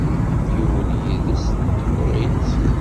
Yuwel yid-s neɣ yuɣ-itt.